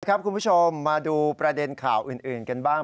คุณผู้ชมมาดูประเด็นข่าวอื่นกันบ้าง